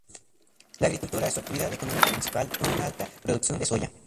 La Agricultura es su actividad económica principal, con una alta producción de soya.